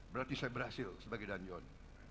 berarti saya berhasil sebagai dandion